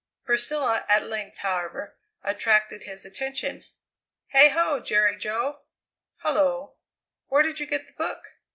Priscilla at length, however, attracted his attention. "Hey ho, Jerry Jo!" "Hullo!" "Where did you get the book?"